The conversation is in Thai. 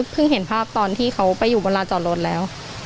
เห็นภาพตอนที่เขาไปอยู่บนลานจอดรถแล้ว